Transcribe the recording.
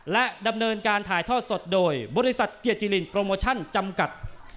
และดำเนินการถ่ายทอดสดโดยบริษัทเกียรติลินโปรโมชั่นจำกัด